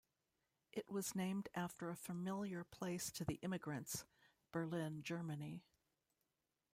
It was named after a familiar place to the immigrants: Berlin, Germany.